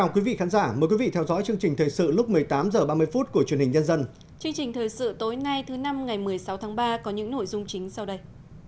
chương trình thời sự tối nay thứ năm ngày một mươi sáu tháng ba có những nội dung chính sau đây